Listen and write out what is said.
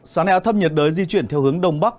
sáng nay áp thấp nhiệt đới di chuyển theo hướng đông bắc